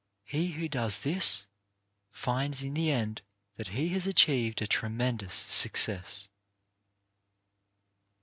He who does this finds in the end that he has achieved a tremendous success.